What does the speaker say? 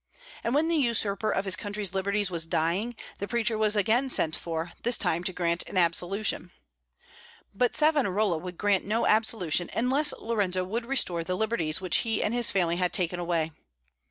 And when the usurper of his country's liberties was dying, the preacher was again sent for, this time to grant an absolution. But Savonarola would grant no absolution unless Lorenzo would restore the liberties which he and his family had taken away.